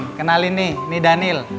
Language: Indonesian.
oh iya din kenalin nih ini daniel